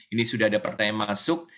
ini sudah ada partai yang masuk